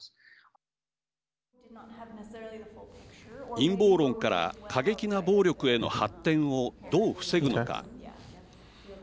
陰謀論から過激な暴力への発展をどう防ぐのか。